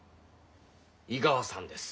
井川さんです。